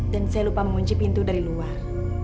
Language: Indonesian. dan saya lupa mengunci pintu dari luar